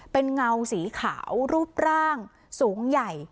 เป็นเงาสีขาวรูปร่างสูงใหญ่